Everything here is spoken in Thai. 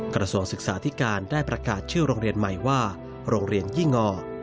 กระทรวงศึกษาธิการได้ประกาศชื่อโรงเรียนใหม่ว่าโรงเรียนยี่งอ